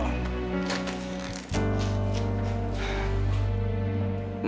maafkan papa wulan